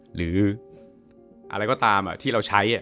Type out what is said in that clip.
หรืออะไรก็ตามที่เราใช้